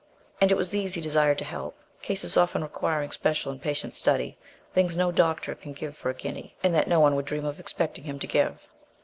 And it was these he desired to help; cases often requiring special and patient study things no doctor can give for a guinea, and that no one would dream of expecting him to give.